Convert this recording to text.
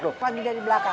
pak haji dari belakang